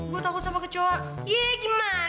gue takut sama kecoa